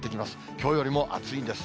きょうよりも暑いんです。